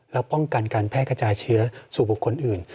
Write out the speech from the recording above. แล้วป้องกันการแพร่กระจายเชื้อสู่บุคคลอื่น